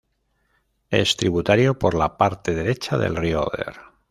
Es tributario por la parte derecha del Río Oder.